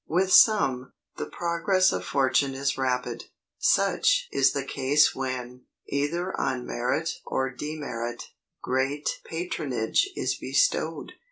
With some, the progress of fortune is rapid. Such is the case when, either on merit or demerit, great patronage is bestowed.